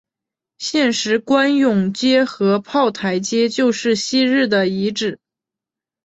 现时官涌街和炮台街就是昔日的遗址。